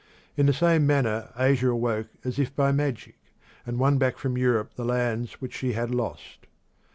In the same manner Asia awoke as if by magic, and won back from Europe the lands which she had lost.